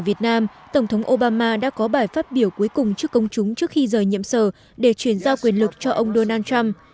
việt nam tổng thống obama đã có bài phát biểu cuối cùng trước công chúng trước khi rời nhiệm sở để chuyển giao quyền lực cho ông donald trump